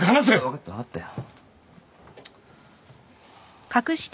分かった分かったよ。